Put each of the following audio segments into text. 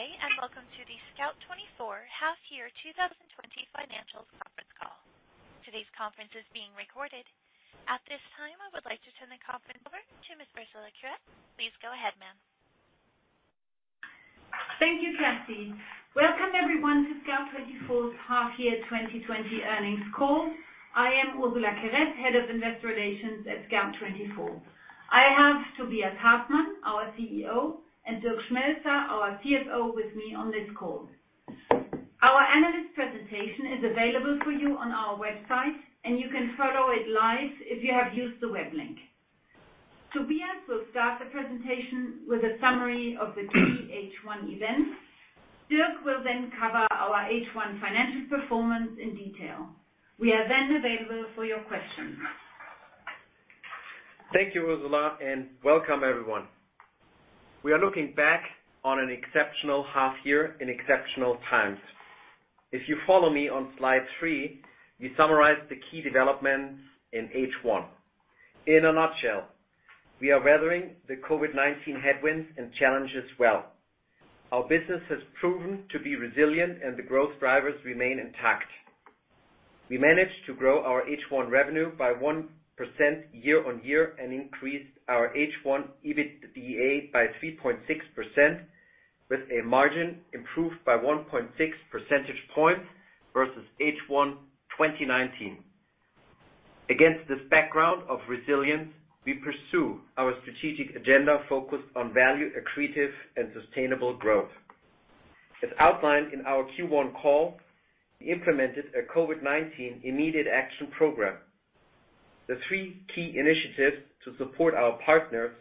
Today and welcome to the Scout24 Half-Year 2020 financials conference call. Today's conference is being recorded. At this time, I would like to turn the conference over to Ms. Ursula Querette. Please go ahead, ma'am. Thank you, Cassie. Welcome, everyone, to Scout24's Half-Year 2020 Earnings Call. I am Ursula Querette, Head of Investor Relations at Scout24. I have Tobias Hartmann, our CEO, and Dirk Schmelzer, our CFO, with me on this call. Our Analyst presentation is available for you on our website, and you can follow it live if you have used the web link. Tobias will start the presentation with a summary of the key H1 events. Dirk will then cover our H1 financial performance in detail. We are then available for your questions. Thank you, Ursula, and welcome, everyone. We are looking back on an exceptional half-year in exceptional times. If you follow me on slide three, we summarize the key developments in H1. In a nutshell, we are weathering the COVID-19 headwinds and challenges well. Our business has proven to be resilient, and the growth drivers remain intact. We managed to grow our H1 revenue by 1% year-on-year and increased our H1 EBITDA by 3.6%, with a margin improved by 1.6 percentage points versus H1 2019. Against this background of resilience, we pursue our strategic agenda focused on value-accretive and sustainable growth. As outlined in our Q1 call, we implemented a COVID-19 Immediate Action Program. The three key initiatives to support our partners,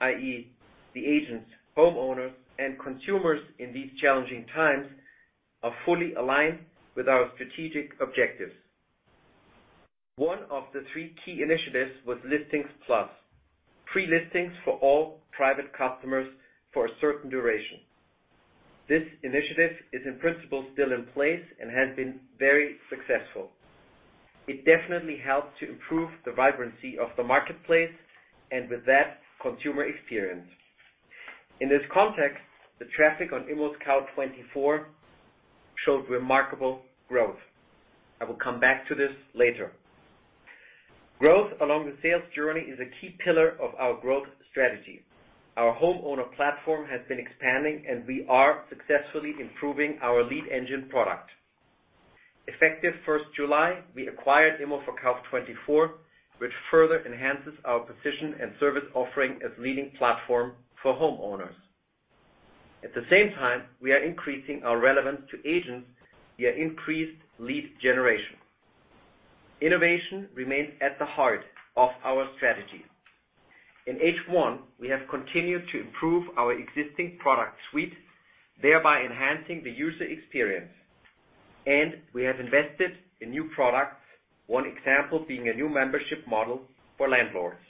i.e., the agents, homeowners, and consumers in these challenging times, are fully aligned with our strategic objectives. One of the three key initiatives was ListingsPlus, pre-listings for all private customers for a certain duration. This initiative is, in principle, still in place and has been very successful. It definitely helped to improve the vibrancy of the marketplace and, with that, consumer experience. In this context, the traffic on ImmoScout24 showed remarkable growth. I will come back to this later. Growth along the sales journey is a key pillar of our growth strategy. Our homeowner platform has been expanding, and we are successfully improving our lead engine product. Effective 1st July, we acquired immoverkauf24, which further enhances our position and service offering as a leading platform for homeowners. At the same time, we are increasing our relevance to agents via increased lead generation. Innovation remains at the heart of our strategy. In H1, we have continued to improve our existing product suite, thereby enhancing the user experience. We have invested in new products, one example being a new membership model for landlords.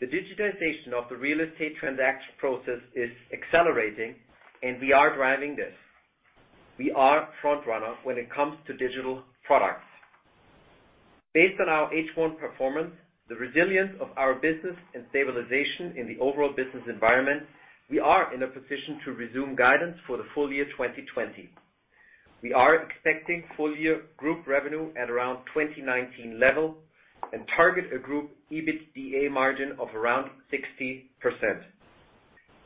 The digitization of the real estate transaction process is accelerating, and we are driving this. We are a frontrunner when it comes to digital products. Based on our H1 performance, the resilience of our business, and stabilization in the overall business environment, we are in a position to resume guidance for the full year 2020. We are expecting full-year group revenue at around 2019 level and target a group EBITDA margin of around 60%.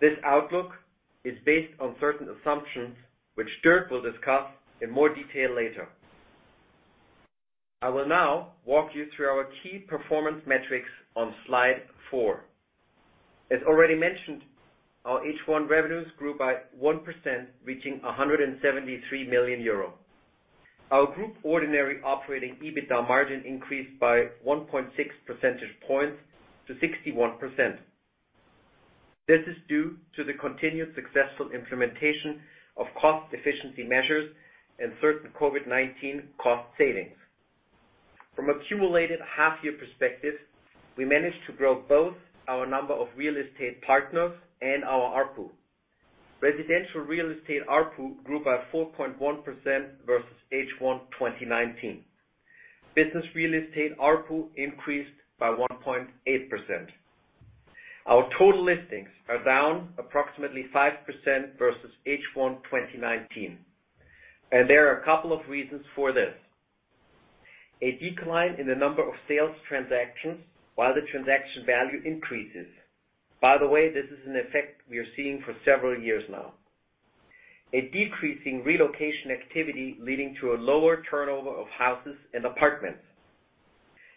This outlook is based on certain assumptions, which Dirk will discuss in more detail later. I will now walk you through our key performance metrics on slide four. As already mentioned, our H1 revenues grew by 1%, reaching 173 million euro. Our group ordinary operating EBITDA margin increased by 1.6 percentage points to 61%. This is due to the continued successful implementation of cost-efficiency measures and certain COVID-19 cost savings. From a cumulated half-year perspective, we managed to grow both our number of real estate partners and our ARPU. Residential real estate ARPU grew by 4.1% versus H1 2019. Business real estate ARPU increased by 1.8%. Our total listings are down approximately 5% versus H1 2019, and there are a couple of reasons for this: a decline in the number of sales transactions while the transaction value increases. By the way, this is an effect we are seeing for several years now: a decreasing relocation activity leading to a lower turnover of houses and apartments,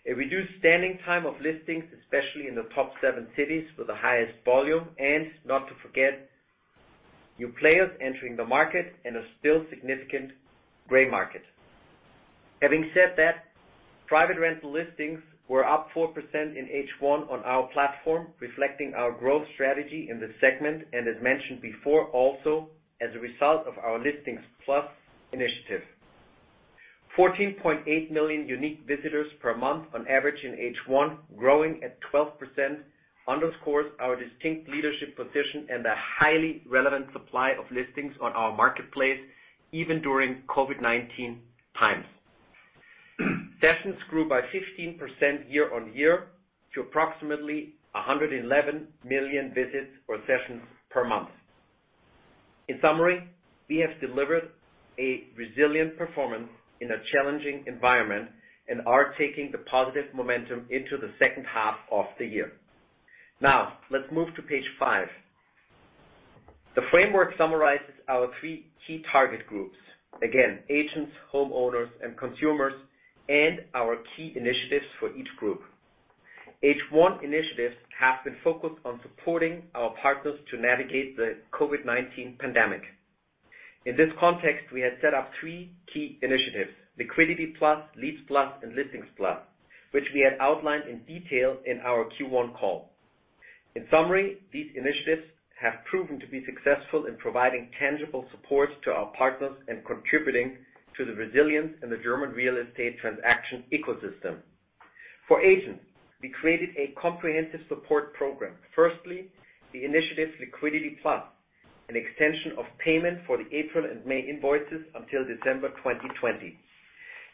a reduced standing time of listings, especially in the top seven cities with the highest volume, and not to forget, new players entering the market and a still significant gray market. Having said that, private rental listings were up 4% in H1 on our platform, reflecting our growth strategy in this segment, and as mentioned before, also as a result of our ListingsPlus initiative. 14.8 million unique visitors per month on average in H1, growing at 12%, underscores our distinct leadership position and the highly relevant supply of listings on our marketplace, even during COVID-19 times. Sessions grew by 15% year-on-year to approximately 111 million visits or sessions per month. In summary, we have delivered a resilient performance in a challenging environment and are taking the positive momentum into the second half of the year. Now, let's move to page five. The framework summarizes our three key target groups: again, agents, homeowners, and consumers, and our key initiatives for each group. H1 initiatives have been focused on supporting our partners to navigate the COVID-19 pandemic. In this context, we had set up three key initiatives: Liquidity Plus, Leads Plus, and Listings Plus, which we had outlined in detail in our Q1 call. In summary, these initiatives have proven to be successful in providing tangible support to our partners and contributing to the resilience in the German real estate transaction ecosystem. For agents, we created a comprehensive support program. Firstly, the initiative Liquidity Plus, an extension of payment for the April and May invoices until December 2020.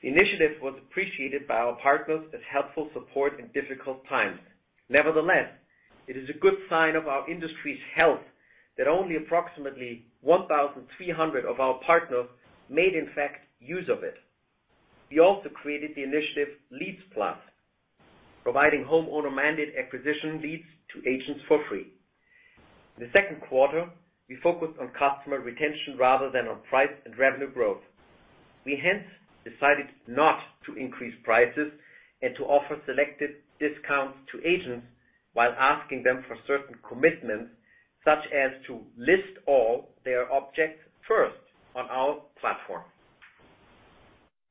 The initiative was appreciated by our partners as helpful support in difficult times. Nevertheless, it is a good sign of our industry's health that only approximately 1,300 of our partners made, in fact, use of it. We also created the initiative Leads Plus, providing homeowner-mandate acquisition leads to agents for free. In the second quarter, we focused on customer retention rather than on price and revenue growth. We hence decided not to increase prices and to offer selected discounts to agents while asking them for certain commitments, such as to list all their objects first on our platform.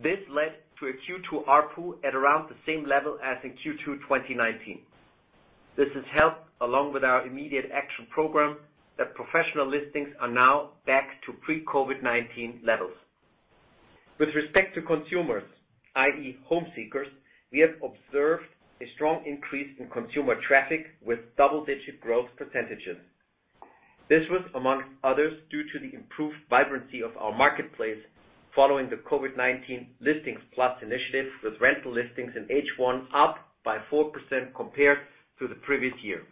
This led to a Q2 ARPU at around the same level as in Q2 2019. This has helped, along with our Immediate Action Program, that professional listings are now back to pre-COVID-19 levels. With respect to consumers, i.e., home seekers, we have observed a strong increase in consumer traffic with double-digit growth percentages. This was, among others, due to the improved vibrancy of our marketplace following the COVID-19 Listings Plus initiative, with rental listings in H1 up by 4% compared to the previous year.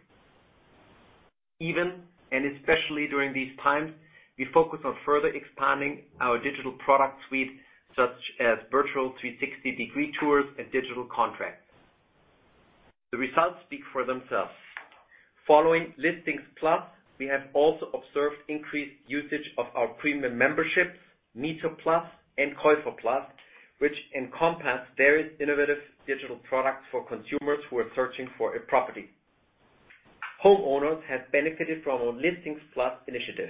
Even, and especially during these times, we focused on further expanding our digital product suite, such as virtual 360-degree tours and digital contracts. The results speak for themselves. Following ListingsPlus, we have also observed increased usage of our premium memberships, MieterPlus and KäuferPlus, which encompass various innovative digital products for consumers who are searching for a property. Homeowners have benefited from our ListingsPlus initiative.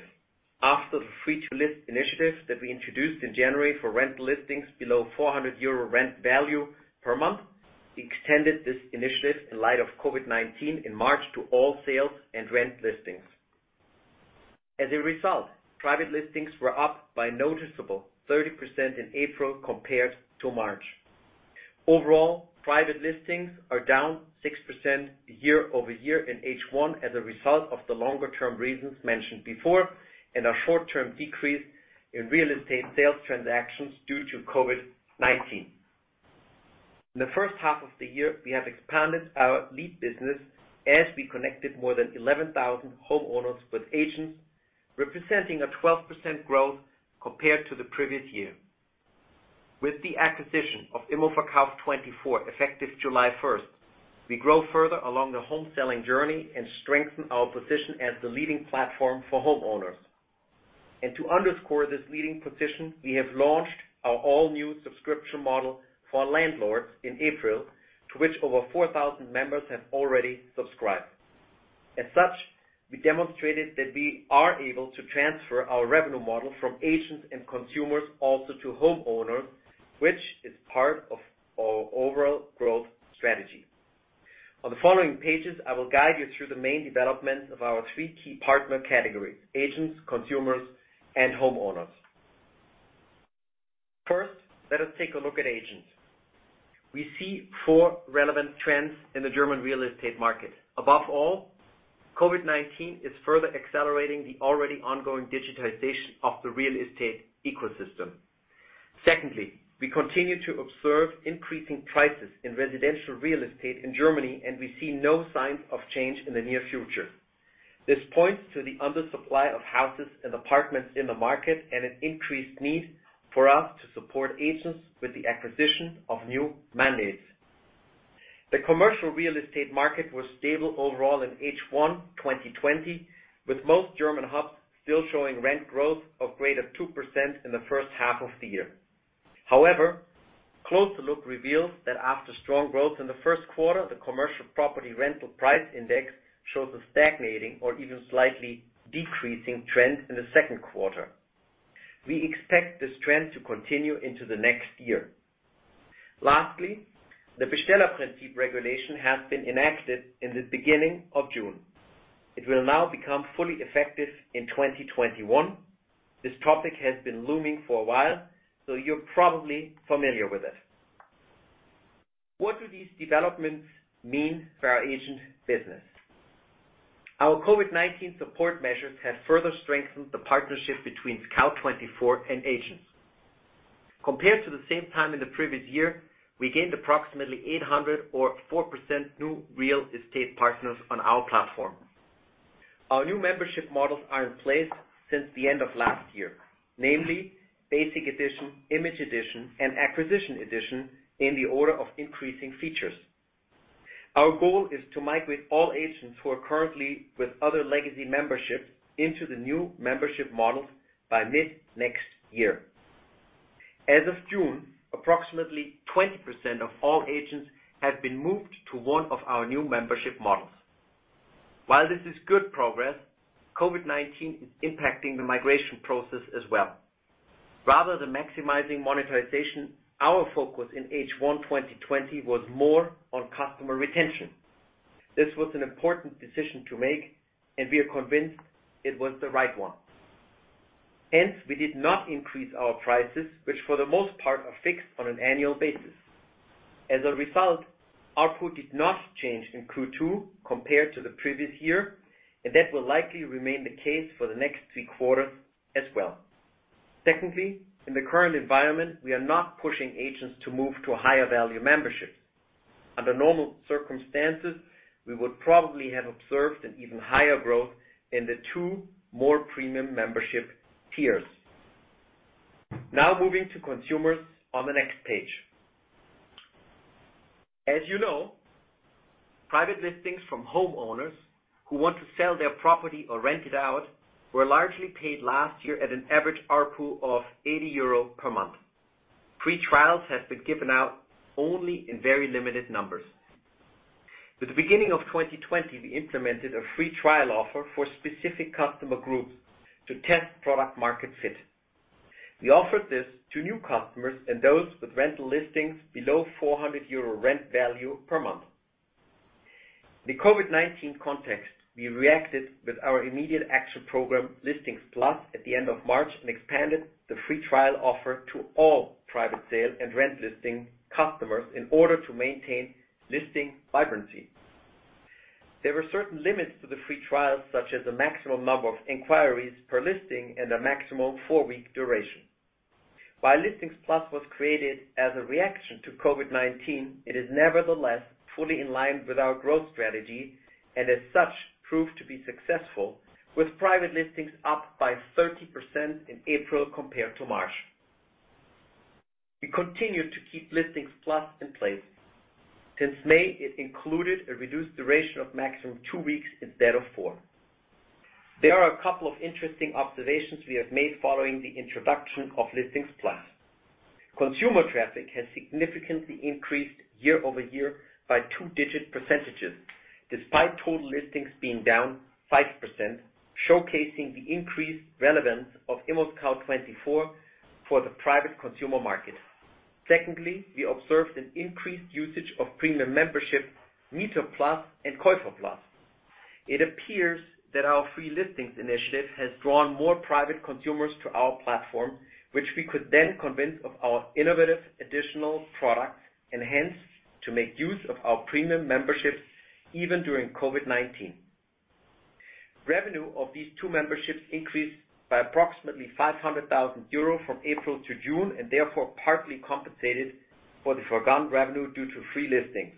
After the Free to List initiative that we introduced in January for rental listings below 400 euro rent value per month, we extended this initiative in light of COVID-19 in March to all sales and rent listings. As a result, private listings were up by a noticeable 30% in April compared to March. Overall, private listings are down 6% year-over-year in H1 as a result of the longer-term reasons mentioned before and a short-term decrease in real estate sales transactions due to COVID-19. In the first half of the year, we have expanded our lead business as we connected more than 11,000 homeowners with agents, representing a 12% growth compared to the previous year. With the acquisition of immoverkauf24 effective July 1st, we grow further along the home selling journey and strengthen our position as the leading platform for homeowners. And to underscore this leading position, we have launched our all-new subscription model for landlords in April, to which over 4,000 members have already subscribed. As such, we demonstrated that we are able to transfer our revenue model from agents and consumers also to homeowners, which is part of our overall growth strategy. On the following pages, I will guide you through the main developments of our three key partner categories: agents, consumers, and homeowners. First, let us take a look at agents. We see four relevant trends in the German real estate market. Above all, COVID-19 is further accelerating the already ongoing digitization of the real estate ecosystem. Secondly, we continue to observe increasing prices in residential real estate in Germany, and we see no signs of change in the near future. This points to the undersupply of houses and apartments in the market and an increased need for us to support agents with the acquisition of new mandates. The commercial real estate market was stable overall in H1 2020, with most German hubs still showing rent growth of greater than 2% in the first half of the year. However, a closer look reveals that after strong growth in the first quarter, the commercial property rental price index shows a stagnating or even slightly decreasing trend in the second quarter. We expect this trend to continue into the next year. Lastly, the Bestellerprinzip regulation has been enacted in the beginning of June. It will now become fully effective in 2021. This topic has been looming for a while, so you're probably familiar with it. What do these developments mean for our agent business? Our COVID-19 support measures have further strengthened the partnership between Scout24 and agents. Compared to the same time in the previous year, we gained approximately 800 or 4% new real estate partners on our platform. Our new membership models are in place since the end of last year, namely Basic Edition, Image Edition, and Acquisition Edition in the order of increasing features. Our goal is to migrate all agents who are currently with other legacy memberships into the new membership models by mid-next year. As of June, approximately 20% of all agents have been moved to one of our new membership models. While this is good progress, COVID-19 is impacting the migration process as well. Rather than maximizing monetization, our focus in H1 2020 was more on customer retention. This was an important decision to make, and we are convinced it was the right one. Hence, we did not increase our prices, which for the most part are fixed on an annual basis. As a result, ARPU did not change in Q2 compared to the previous year, and that will likely remain the case for the next three quarters as well. Secondly, in the current environment, we are not pushing agents to move to higher-value memberships. Under normal circumstances, we would probably have observed an even higher growth in the two more premium membership tiers. Now moving to consumers on the next page. As you know, private listings from homeowners who want to sell their property or rent it out were largely paid last year at an average ARPU of 80 euro per month. Free trials have been given out only in very limited numbers. With the beginning of 2020, we implemented a free trial offer for specific customer groups to test product-market fit. We offered this to new customers and those with rental listings below 400 euro rent value per month. In the COVID-19 context, we reacted with our Immediate Action Program Listings Plus at the end of March and expanded the free trial offer to all private sale and rent listing customers in order to maintain listing vibrancy. There were certain limits to the free trials, such as a maximum number of inquiries per listing and a maximum four-week duration. While Listings Plus was created as a reaction to COVID-19, it is nevertheless fully in line with our growth strategy and, as such, proved to be successful, with private listings up by 30% in April compared to March. We continued to keep Listings Plus in place. Since May, it included a reduced duration of maximum two weeks instead of four. There are a couple of interesting observations we have made following the introduction of Listings Plus. Consumer traffic has significantly increased year-over-year by two-digit percentages, despite total listings being down 5%, showcasing the increased relevance of ImmoScout24 for the private consumer market. Secondly, we observed an increased usage of premium membership MieterPlus and KäuferPlus. It appears that our free listings initiative has drawn more private consumers to our platform, which we could then convince of our innovative additional products and hence to make use of our premium memberships even during COVID-19. Revenue of these two memberships increased by approximately 500,000 euro from April to June and therefore partly compensated for the foregone revenue due to free listings,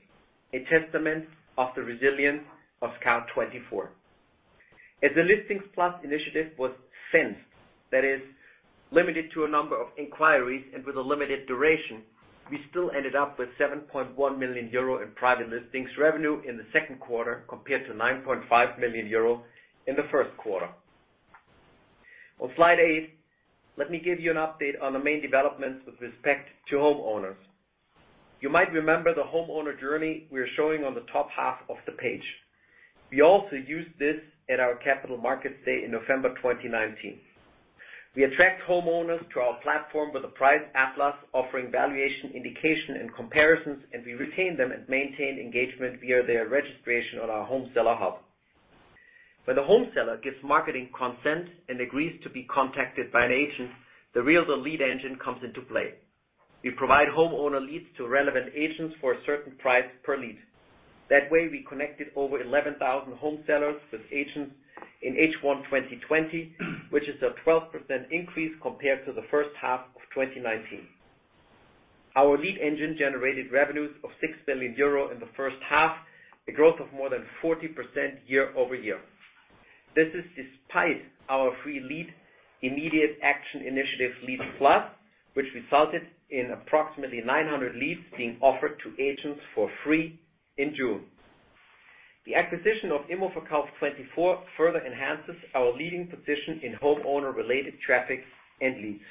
a testament of the resilience of Scout24. As the Listings Plus initiative was fenced, that is, limited to a number of inquiries and with a limited duration, we still ended up with 7.1 million euro in private listings revenue in the second quarter compared to 9.5 million euro in the first quarter. On slide eight, let me give you an update on the main developments with respect to homeowners. You might remember the homeowner journey we are showing on the top half of the page. We also used this at our capital markets day in November 2019. We attract homeowners to our platform with a priced atlas offering valuation indication and comparisons, and we retain them and maintain engagement via their registration on our home seller hub. When the home seller gives marketing consent and agrees to be contacted by an agent, the Realtor Lead Engine comes into play. We provide homeowner leads to relevant agents for a certain price per lead. That way, we connected over 11,000 home sellers with agents in H1 2020, which is a 12% increase compared to the first half of 2019. Our lead engine generated revenues of 6 billion euro in the first half, a growth of more than 40% year-over-year. This is despite our free lead Immediate Action Initiative LeadsPlus, which resulted in approximately 900 leads being offered to agents for free in June. The acquisition of immoverkauf24 further enhances our leading position in homeowner-related traffic and leads.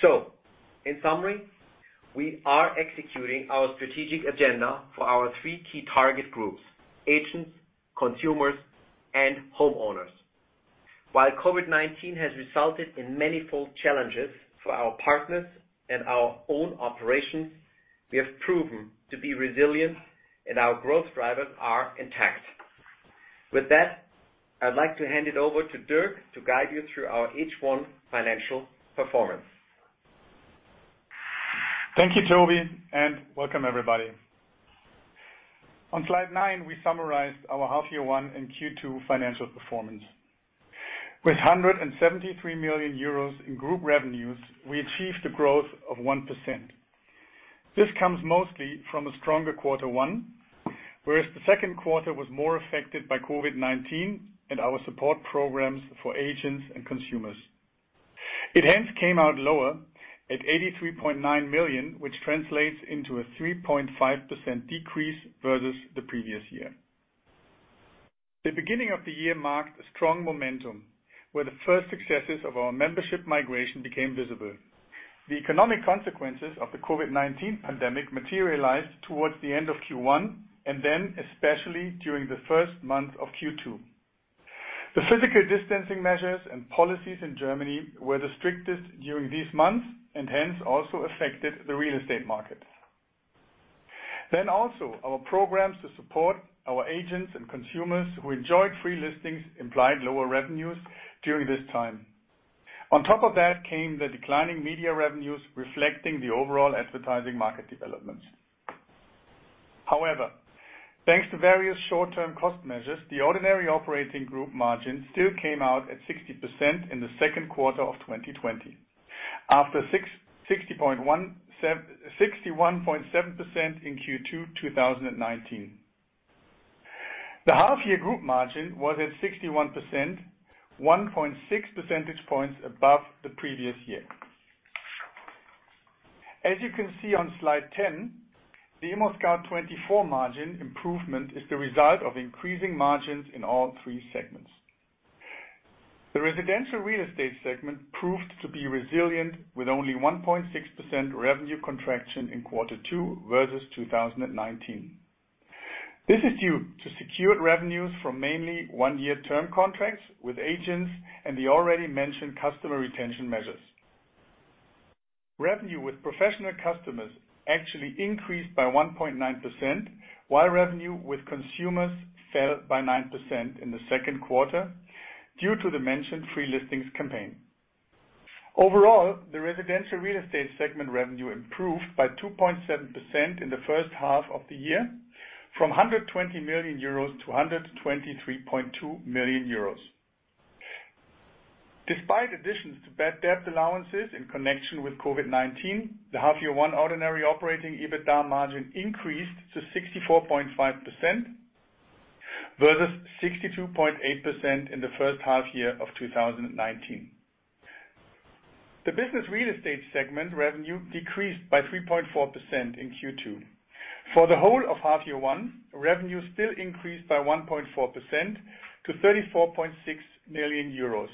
So, in summary, we are executing our strategic agenda for our three key target groups: agents, consumers, and homeowners. While COVID-19 has resulted in many daunting challenges for our partners and our own operations, we have proven to be resilient, and our growth drivers are intact. With that, I'd like to hand it over to Dirk to guide you through our H1 financial performance. Thank you, Tobi, and welcome, everybody. On slide nine, we summarized our half-year one and Q2 financial performance. With 173 million euros in group revenues, we achieved a growth of 1%. This comes mostly from a stronger quarter one, whereas the second quarter was more affected by COVID-19 and our support programs for agents and consumers. It hence came out lower at 83.9 million, which translates into a 3.5% decrease versus the previous year. The beginning of the year marked a strong momentum, where the first successes of our membership migration became visible. The economic consequences of the COVID-19 pandemic materialized towards the end of Q1 and then especially during the first month of Q2. The physical distancing measures and policies in Germany were the strictest during these months and hence also affected the real estate market. Then also, our programs to support our agents and consumers who enjoyed free listings implied lower revenues during this time. On top of that came the declining media revenues reflecting the overall advertising market developments. However, thanks to various short-term cost measures, the ordinary operating group margin still came out at 60% in the second quarter of 2020, after 60.7% in Q2 2019. The half-year group margin was at 61%, 1.6 percentage points above the previous year. As you can see on slide ten, the ImmoScout24 margin improvement is the result of increasing margins in all three segments. The residential real estate segment proved to be resilient with only 1.6% revenue contraction in quarter two versus 2019. This is due to secured revenues from mainly one-year term contracts with agents and the already mentioned customer retention measures. Revenue with professional customers actually increased by 1.9%, while revenue with consumers fell by 9% in the second quarter due to the mentioned free listings campaign. Overall, the residential real estate segment revenue improved by 2.7% in the first half of the year from 120 million-123.2 million euros. Despite additions to bad debt allowances in connection with COVID-19, the half-year one ordinary operating EBITDA margin increased to 64.5% versus 62.8% in the first half year of 2019. The business real estate segment revenue decreased by 3.4% in Q2. For the whole of half-year one, revenue still increased by 1.4% to 34.6 million euros.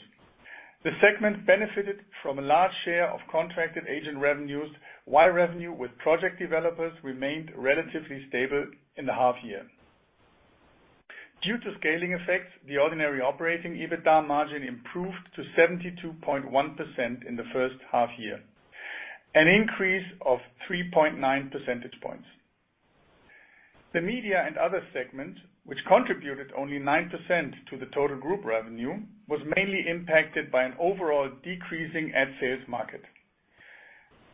The segment benefited from a large share of contracted agent revenues, while revenue with project developers remained relatively stable in the half-year. Due to scaling effects, the ordinary operating EBITDA margin improved to 72.1% in the first half year, an increase of 3.9 percentage points. The media and other segments, which contributed only 9% to the total group revenue, were mainly impacted by an overall decreasing ad sales market,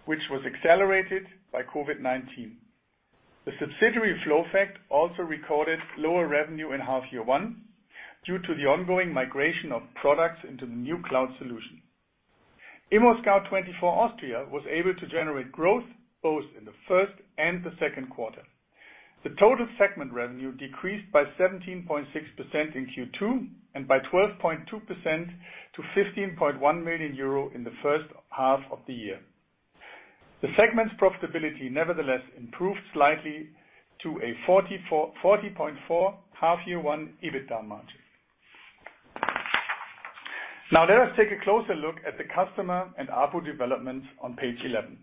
which was accelerated by COVID-19. The subsidiary FLOWFACT also recorded lower revenue in half-year one due to the ongoing migration of products into the new cloud solution. ImmoScout24 Austria was able to generate growth both in the first and the second quarter. The total segment revenue decreased by 17.6% in Q2 and by 12.2% to 15.1 million euro in the first half of the year. The segment's profitability nevertheless improved slightly to a 40.4% half-year one EBITDA margin. Now let us take a closer look at the customer and ARPU developments on page 11.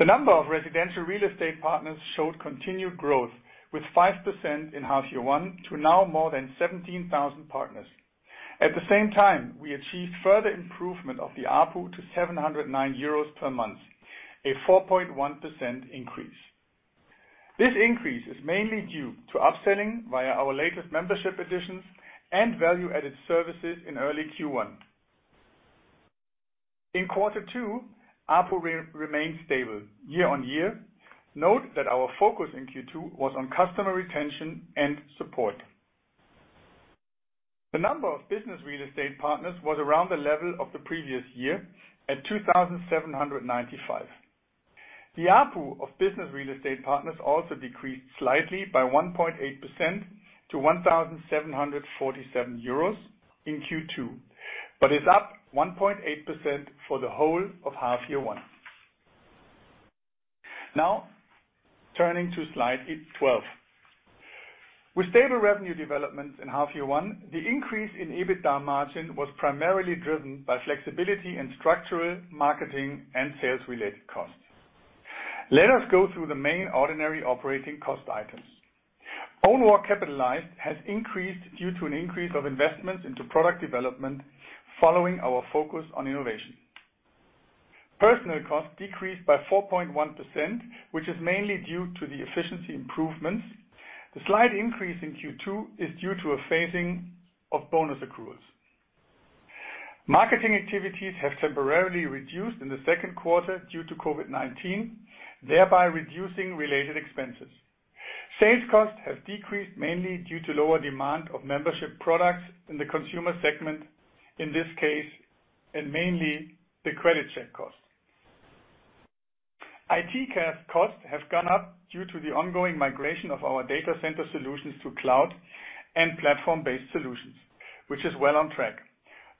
The number of residential real estate partners showed continued growth, with 5% in half-year one to now more than 17,000 partners. At the same time, we achieved further improvement of the ARPU to 709 euros per month, a 4.1% increase. This increase is mainly due to upselling via our latest membership additions and value-added services in early Q1. In quarter two, ARPU remained stable year-on-year. Note that our focus in Q2 was on customer retention and support. The number of business real estate partners was around the level of the previous year at 2,795. The ARPU of business real estate partners also decreased slightly by 1.8% to 1,747 euros in Q2, but is up 1.8% for the whole of half-year one. Now turning to slide twelve. With stable revenue developments in half-year one, the increase in EBITDA margin was primarily driven by flexibility and structural marketing and sales-related costs. Let us go through the main ordinary operating cost items. Own work capitalized has increased due to an increase of investments into product development following our focus on innovation. Personnel costs decreased by 4.1%, which is mainly due to the efficiency improvements. The slight increase in Q2 is due to a phasing of bonus accruals. Marketing activities have temporarily reduced in the second quarter due to COVID-19, thereby reducing related expenses. Sales costs have decreased mainly due to lower demand of membership products in the consumer segment, in this case, and mainly the credit check cost. IT costs have gone up due to the ongoing migration of our data center solutions to cloud and platform-based solutions, which is well on track.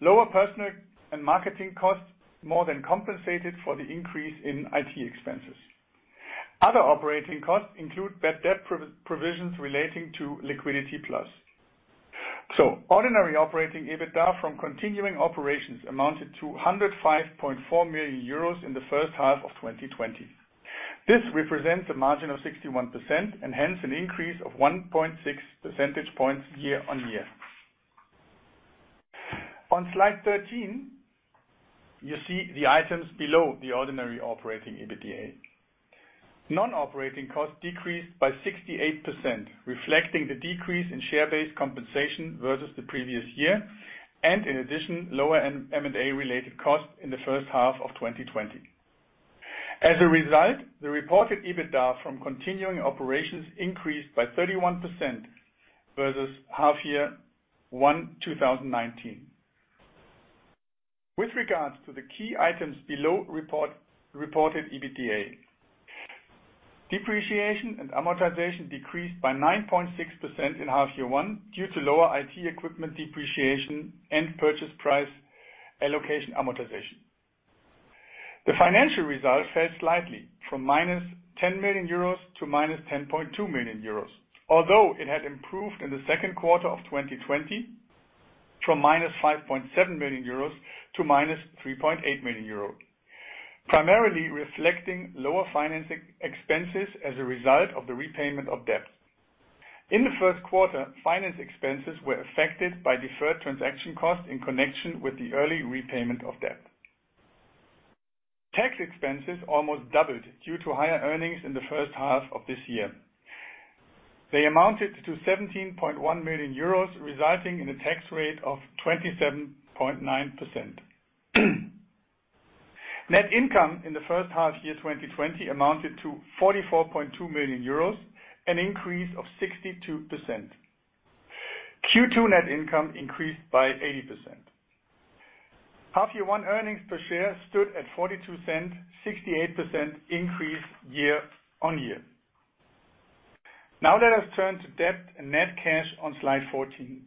Lower personnel and marketing costs more than compensated for the increase in IT expenses. Other operating costs include bad debt provisions relating to Liquidity Plus. Ordinary operating EBITDA from continuing operations amounted to 105.4 million euros in the first half of 2020. This represents a margin of 61% and hence an increase of 1.6 percentage points year-on-year. On slide 13, you see the items below the ordinary operating EBITDA. Non-operating costs decreased by 68%, reflecting the decrease in share-based compensation versus the previous year, and in addition, lower M&A-related costs in the first half of 2020. As a result, the reported EBITDA from continuing operations increased by 31% versus half-year one 2019. With regards to the key items below reported EBITDA, depreciation and amortization decreased by 9.6% in half-year one due to lower IT equipment depreciation and purchase price allocation amortization. The financial result fell slightly from minus 10 million euros to minus 10.2 million euros, although it had improved in the second quarter of 2020 from minus 5.7 million euros to minus 3.8 million euros, primarily reflecting lower financing expenses as a result of the repayment of debt. In the first quarter, finance expenses were affected by deferred transaction costs in connection with the early repayment of debt. Tax expenses almost doubled due to higher earnings in the first half of this year. They amounted to 17.1 million euros, resulting in a tax rate of 27.9%. Net income in the first half year 2020 amounted to 44.2 million euros, an increase of 62%. Q2 net income increased by 80%. Half-year one earnings per share stood at 0.42, 68% increase year-on-year. Now let us turn to debt and net cash on slide 14.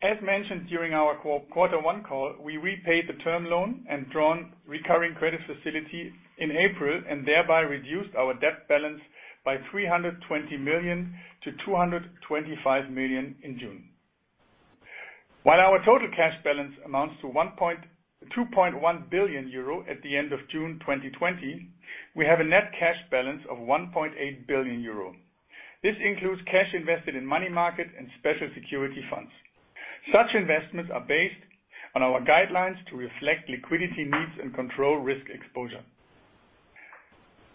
As mentioned during our quarter one call, we repaid the term loan and drawn recurring credit facility in April and thereby reduced our debt balance by 320 million to 225 million in June. While our total cash balance amounts to 2.1 billion euro at the end of June 2020, we have a net cash balance of 1.8 billion euro. This includes cash invested in money market and special security funds. Such investments are based on our guidelines to reflect liquidity needs and control risk exposure.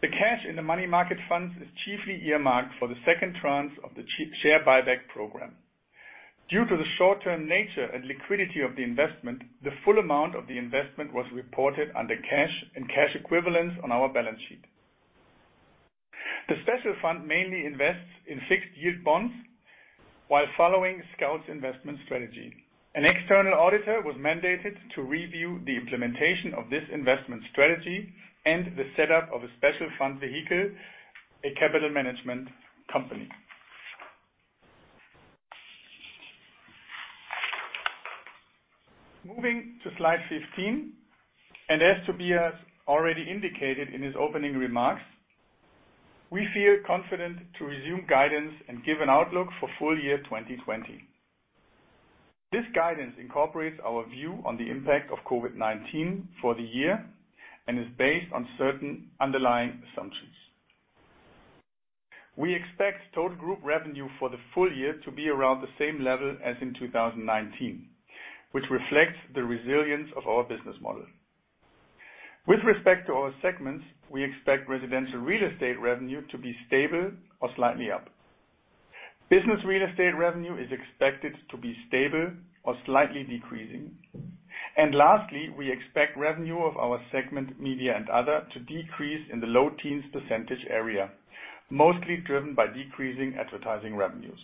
The cash in the money market funds is chiefly earmarked for the second tranche of the share buyback program. Due to the short-term nature and liquidity of the investment, the full amount of the investment was reported under cash and cash equivalents on our balance sheet. The special fund mainly invests in fixed yield bonds while following Scout24's investment strategy. An external auditor was mandated to review the implementation of this investment strategy and the setup of a special fund vehicle, a capital management company. Moving to slide 15, and as Tobias already indicated in his opening remarks, we feel confident to resume guidance and give an outlook for full year 2020. This guidance incorporates our view on the impact of COVID-19 for the year and is based on certain underlying assumptions. We expect total group revenue for the full year to be around the same level as in 2019, which reflects the resilience of our business model. With respect to our segments, we expect residential real estate revenue to be stable or slightly up. Business real estate revenue is expected to be stable or slightly decreasing. And lastly, we expect revenue of our segment, media & other, to decrease in the low-teens % area, mostly driven by decreasing advertising revenues.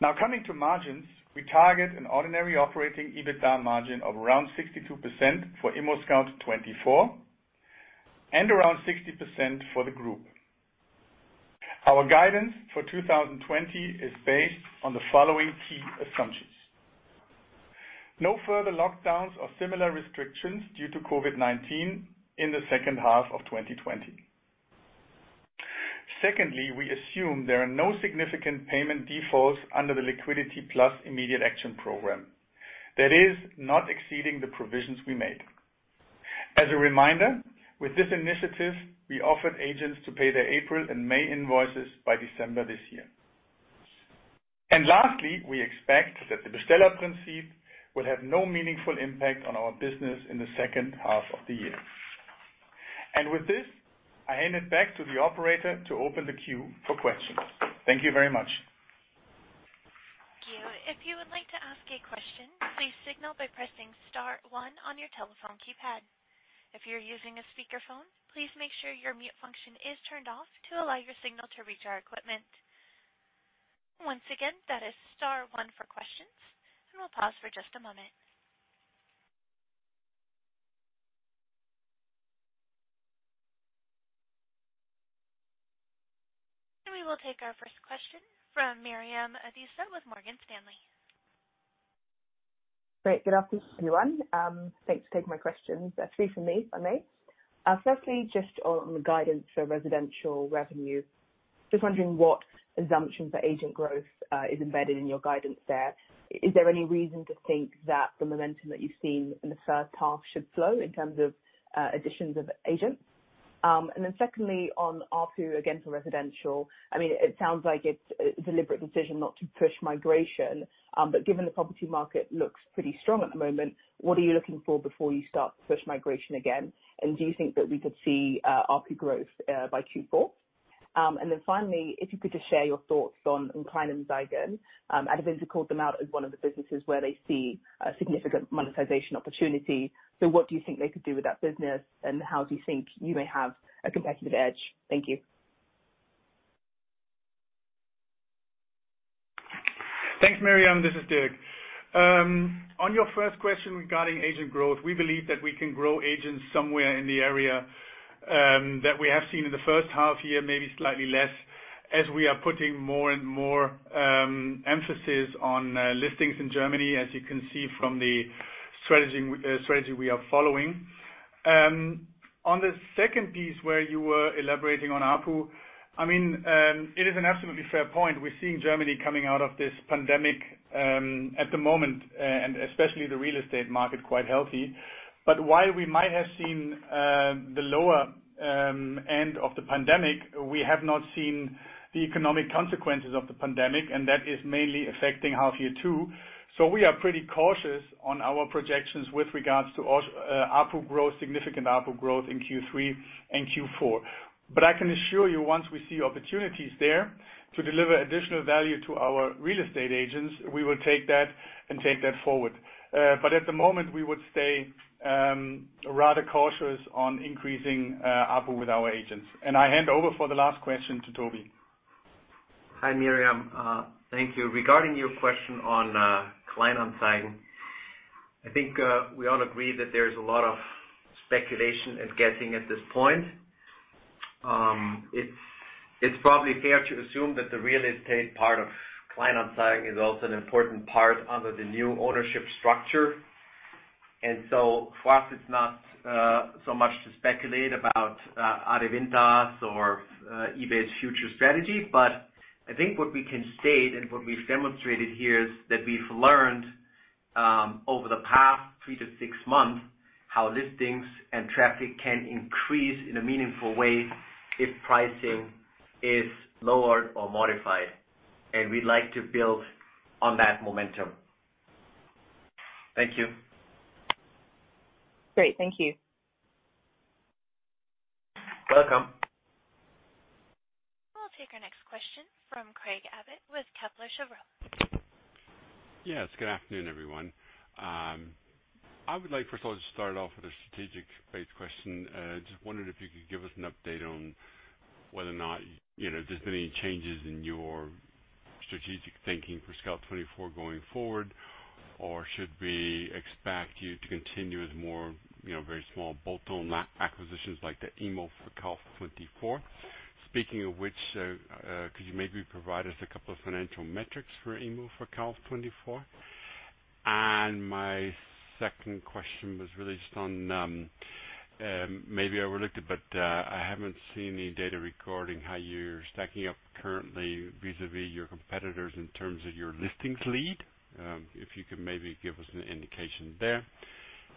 Now coming to margins, we target an ordinary operating EBITDA margin of around 62% for ImmoScout24 and around 60% for the group. Our guidance for 2020 is based on the following key assumptions: no further lockdowns or similar restrictions due to COVID-19 in the second half of 2020. Secondly, we assume there are no significant payment defaults under the Liquidity Plus Immediate Action Program, that is, not exceeding the provisions we made. As a reminder, with this initiative, we offered agents to pay their April and May invoices by December this year. And lastly, we expect that the Bestellerprinzip will have no meaningful impact on our business in the second half of the year. And with this, I hand it back to the operator to open the queue for questions. Thank you very much. Thank you. If you would like to ask a question, please signal by pressing Star One on your telephone keypad. If you're using a speakerphone, please make sure your mute function is turned off to allow your signal to reach our equipment. Once again, that is Star One for questions, and we'll pause for just a moment. And we will take our first question from Miriam Adisa with Morgan Stanley. Great. Good afternoon, everyone. Thanks for taking my questions. Three from me, if I may. Firstly, just on guidance for residential revenue, just wondering what assumptions for agent growth is embedded in your guidance there. Is there any reason to think that the momentum that you've seen in the first half should slow in terms of additions of agents? And then secondly, on ARPU again for residential, I mean, it sounds like it's a deliberate decision not to push migration, but given the property market looks pretty strong at the moment, what are you looking for before you start to push migration again? And do you think that we could see ARPU growth by Q4? And then finally, if you could just share your thoughts on Kleinanzeigen. Advinder called them out as one of the businesses where they see a significant monetization opportunity. So what do you think they could do with that business, and how do you think you may have a competitive edge? Thank you. Thanks, Miriam. This is Dirk. On your first question regarding agent growth, we believe that we can grow agents somewhere in the area that we have seen in the first half year, maybe slightly less, as we are putting more and more emphasis on listings in Germany, as you can see from the strategy we are following. On the second piece where you were elaborating on ARPU, I mean, it is an absolutely fair point. We're seeing Germany coming out of this pandemic at the moment, and especially the real estate market quite healthy. But while we might have seen the lower end of the pandemic, we have not seen the economic consequences of the pandemic, and that is mainly affecting half-year two. So we are pretty cautious on our projections with regards to significant ARPU growth in Q3 and Q4. But I can assure you, once we see opportunities there to deliver additional value to our real estate agents, we will take that and take that forward. But at the moment, we would stay rather cautious on increasing ARPU with our agents. And I hand over for the last question to Tobi. Hi, Miriam. Thank you. Regarding your question on Kleinanzeigen, I think we all agree that there's a lot of speculation and guessing at this point. It's probably fair to assume that the real estate part of Kleinanzeigen is also an important part under the new ownership structure. And so for us, it's not so much to speculate about Adevinta's or eBay's future strategy, but I think what we can state and what we've demonstrated here is that we've learned over the past three to six months how listings and traffic can increase in a meaningful way if pricing is lowered or modified. And we'd like to build on that momentum. Thank you. Great. Thank you. Welcome. We'll take our next question from Craig Abbott with Kepler Cheuvreux. Yes. Good afternoon, everyone. I would like first of all to start off with a strategic-based question. Just wondering if you could give us an update on whether or not there's been any changes in your strategic thinking for Scout24 going forward, or should we expect you to continue with more very small bolt-on acquisitions like the immoverkauf24? Speaking of which, could you maybe provide us a couple of financial metrics for EMU for Scout24? And my second question was really just on maybe overlooked, but I haven't seen any data regarding how you're stacking up currently vis-à-vis your competitors in terms of your listings lead, if you could maybe give us an indication there.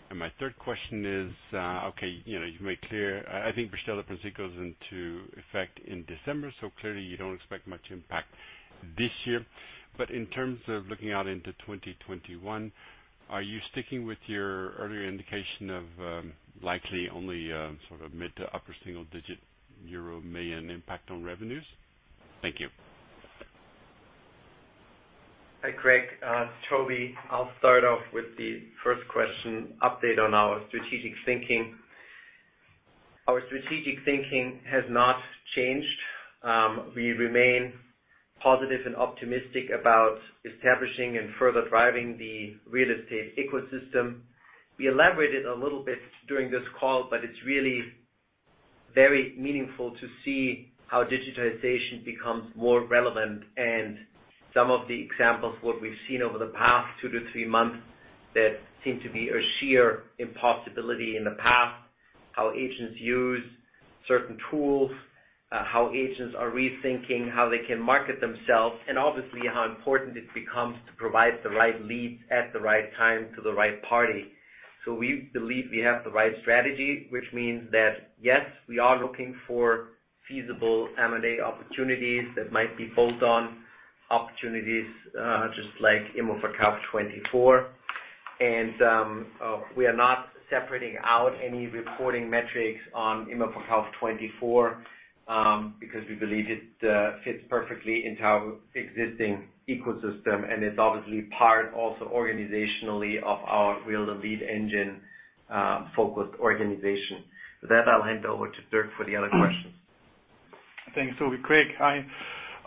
And my third question is, okay, you've made clear I think Bestellerprinzip goes into effect in December, so clearly you don't expect much impact this year. But in terms of looking out into 2021, are you sticking with your earlier indication of likely only sort of mid- to upper-single-digit euro million impact on revenues? Thank you. Hi, Craig. This is Tobi. I'll start off with the first question, update on our strategic thinking. Our strategic thinking has not changed. We remain positive and optimistic about establishing and further driving the real estate ecosystem. We elaborated a little bit during this call, but it's really very meaningful to see how digitization becomes more relevant, and some of the examples of what we've seen over the past two to three months that seem to be a sheer impossibility in the past, how agents use certain tools, how agents are rethinking how they can market themselves, and obviously how important it becomes to provide the right leads at the right time to the right party, so we believe we have the right strategy, which means that, yes, we are looking for feasible M&A opportunities that might be bolt-on opportunities just like immoverkauf24. And we are not separating out any reporting metrics on immoverkauf24 because we believe it fits perfectly into our existing ecosystem, and it's obviously part also organizationally of our Realtor Lead Engine-focused organization. With that, I'll hand over to Dirk for the other questions. Thanks, Tobi. Craig, hi.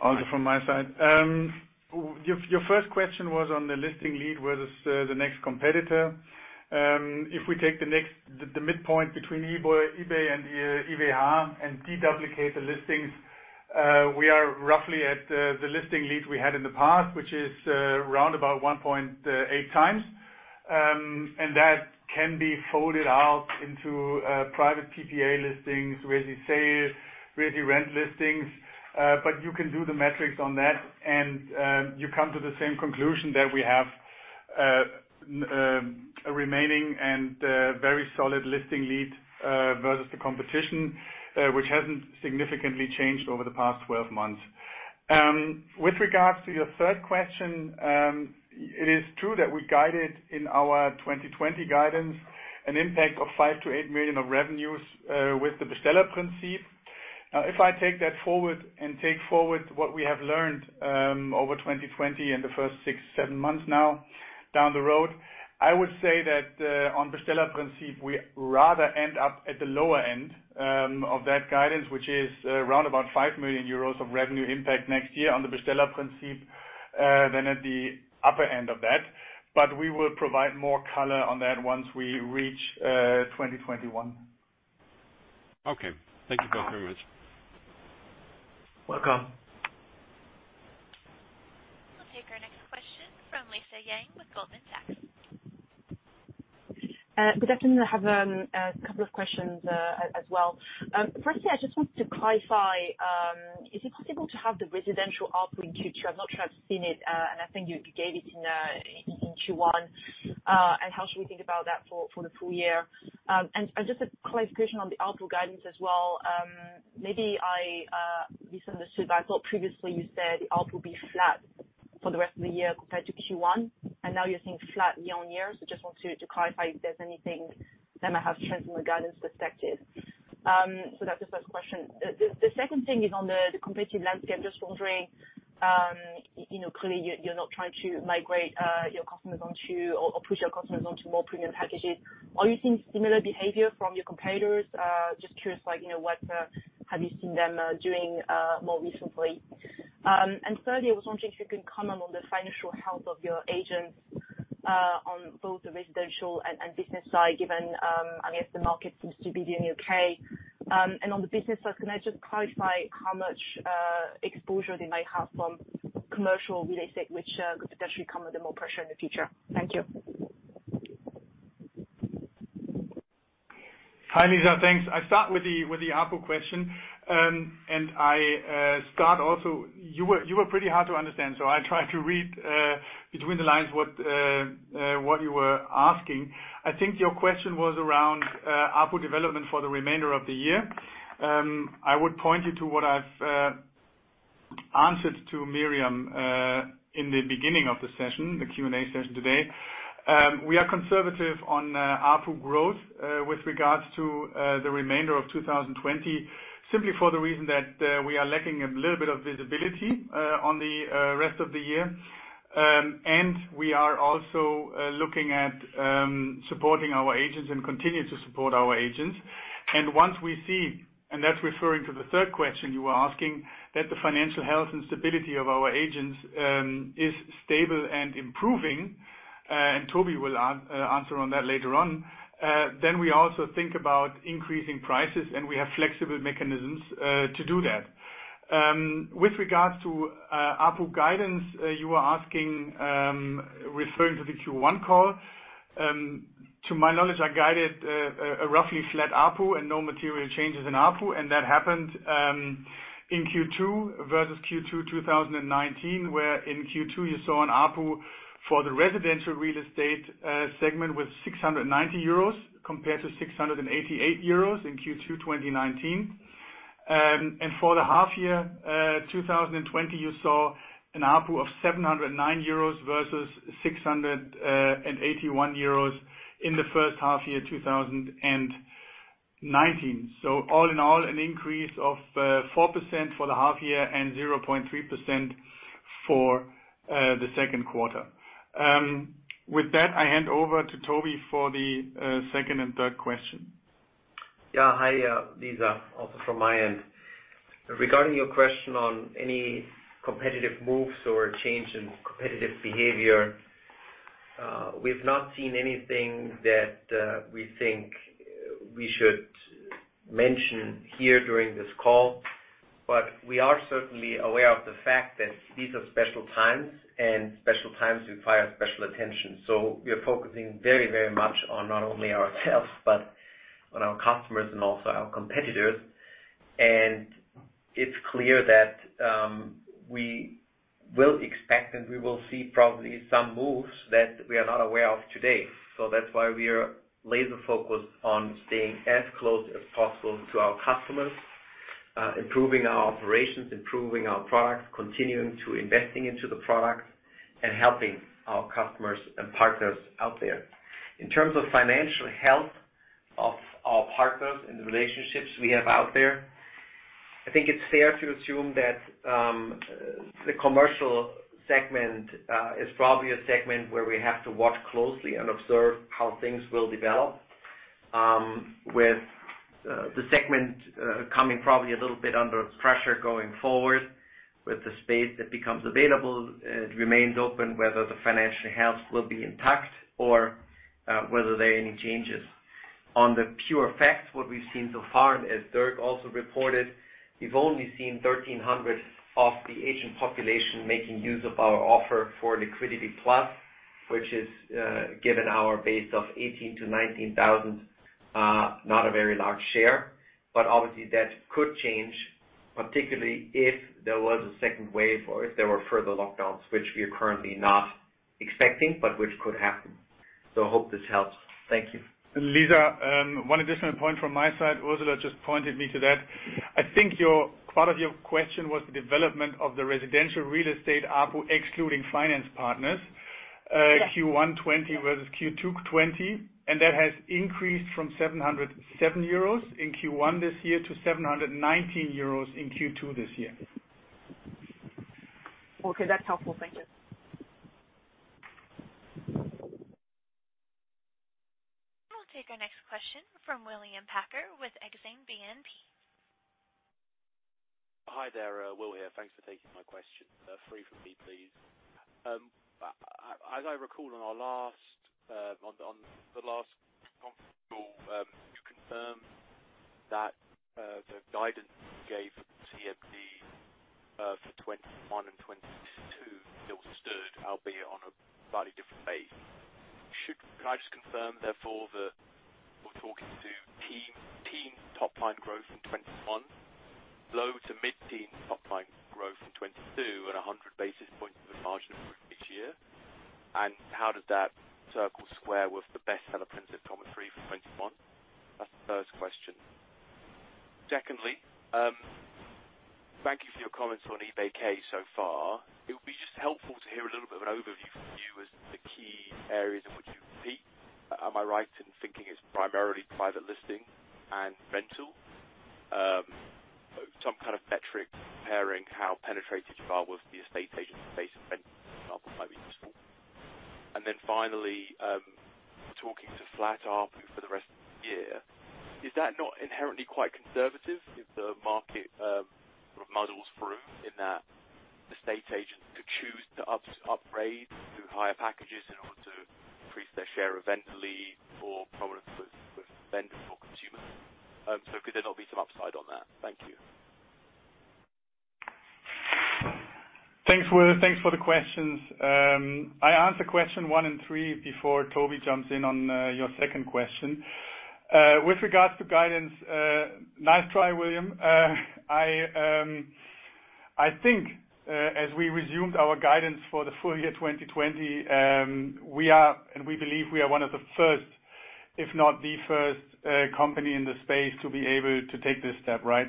Also from my side. Your first question was on the listing lead, where does the next competitor? If we take the midpoint between eBay and Immowelt and deduplicate the listings, we are roughly at the listing lead we had in the past, which is round about 1.8 times. And that can be folded out into private PPA listings, for-sale rent listings. But you can do the metrics on that, and you come to the same conclusion that we have a remaining and very solid listing lead versus the competition, which hasn't significantly changed over the past 12 months. With regards to your third question, it is true that we guided in our 2020 guidance an impact of 5-8 million of revenues with the Bestellerprinzip. Now, if I take that forward and take forward what we have learned over 2020 and the first six, seven months now down the road, I would say that on Bestellerprinzip, we rather end up at the lower end of that guidance, which is round about 5 million euros of revenue impact next year on the Bestellerprinzip than at the upper end of that. But we will provide more color on that once we reach 2021. Okay. Thank you both very much. Welcome. We'll take our next question from Lisa Yang with Goldman Sachs. Good afternoon. I have a couple of questions as well. Firstly, I just wanted to clarify, is it possible to have the residential ARPU in Q2? I'm not sure I've seen it, and I think you gave it in Q1. And how should we think about that for the full year? Just a clarification on the ARPU guidance as well. Maybe I misunderstood. I thought previously you said the ARPU would be flat for the rest of the year compared to Q1, and now you're seeing flat year on year. So just wanted to clarify if there's anything that might have changed from a guidance perspective. So that's the first question. The second thing is on the competitive landscape. Just wondering, clearly you're not trying to migrate your customers onto or push your customers onto more premium packages. Are you seeing similar behavior from your competitors? Just curious what have you seen them doing more recently? And thirdly, I was wondering if you can comment on the financial health of your agents on both the residential and business side, given, I guess, the market seems to be the U.K. And on the business side, can I just clarify how much exposure they might have from commercial real estate, which could potentially come under more pressure in the future? Thank you. Hi, Lisa. Thanks. I start with the ARPU question, and I start also you were pretty hard to understand, so I tried to read between the lines what you were asking. I think your question was around ARPU development for the remainder of the year. I would point you to what I've answered to Miriam in the beginning of the session, the Q&A session today. We are conservative on ARPU growth with regards to the remainder of 2020, simply for the reason that we are lacking a little bit of visibility on the rest of the year. And we are also looking at supporting our agents and continue to support our agents. And once we see, and that's referring to the third question you were asking, that the financial health and stability of our agents is stable and improving, and Tobi will answer on that later on, then we also think about increasing prices, and we have flexible mechanisms to do that. With regards to ARPU guidance, you were asking, referring to the Q1 call. To my knowledge, I guided a roughly flat ARPU and no material changes in ARPU, and that happened in Q2 versus Q2 2019, where in Q2 you saw an ARPU for the residential real estate segment with 690 euros compared to 688 euros in Q2 2019. And for the half-year 2020, you saw an ARPU of 709 euros versus 681 euros in the first half-year 2019. So all in all, an increase of 4% for the half-year and 0.3% for the second quarter. With that, I hand over to Tobi for the second and third question. Yeah. Hi, Lisa. Also from my end. Regarding your question on any competitive moves or change in competitive behavior, we've not seen anything that we think we should mention here during this call, but we are certainly aware of the fact that these are special times, and special times require special attention, so we are focusing very, very much on not only ourselves but on our customers and also our competitors, and it's clear that we will expect and we will see probably some moves that we are not aware of today, so that's why we are laser-focused on staying as close as possible to our customers, improving our operations, improving our products, continuing to invest into the product, and helping our customers and partners out there. In terms of financial health of our partners and the relationships we have out there, I think it's fair to assume that the commercial segment is probably a segment where we have to watch closely and observe how things will develop, with the segment coming probably a little bit under pressure going forward with the space that becomes available. It remains open whether the financial health will be intact or whether there are any changes. On the pure facts, what we've seen so far, as Dirk also reported, we've only seen 1,300 of the agent population making use of our offer for Liquidity Plus, which is, given our base of 18-19 thousand, not a very large share. But obviously, that could change, particularly if there was a second wave or if there were further lockdowns, which we are currently not expecting but which could happen. So I hope this helps. Thank you. Lisa, one additional point from my side. Ursula just pointed me to that. I think part of your question was the development of the residential real estate ARPU excluding finance partners, Q1 2020 versus Q2 2020, and that has increased from 707 euros in Q1 this year to 719 euros in Q2 this year. Okay. That's helpful. Thank you. We'll take our next question from William Packer with Exane BNP Paribas. Hi there. Will here. Thanks for taking my question for me, please. As I recall, on the last conference call, you confirmed that the guidance you gave for TMD for 2021 and 2022 still stood, albeit on a slightly different base. Can I just confirm, therefore, that we're talking to teen top-line growth in 2021, low to mid-teen top-line growth in 2022, and 100 basis points of margin improvement each year? And how does that circle square with the Bestellerprinzip commentary for 2021? That's the first question. Secondly, thank you for your comments on eBay Kleinanzeigen so far. It would be just helpful to hear a little bit of an overview from you as the key areas in which you compete. Am I right in thinking it's primarily private listing and rental? Some kind of metric comparing how penetrated you are with the estate agency-based rental example might be useful. And then finally, talking to flat ARPU for the rest of the year, is that not inherently quite conservative if the market sort of muddles through in that estate agents could choose to upgrade to higher packages in order to increase their share of vendor lead or prominence with vendors or consumers? So could there not be some upside on that? Thank you. Thanks for the questions. I answered question one and three before Tobi jumps in on your second question. With regards to guidance, nice try, William. I think as we resumed our guidance for the full year 2020, we are and we believe we are one of the first, if not the first, company in the space to be able to take this step, right?